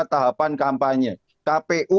tahapan kampanye kpu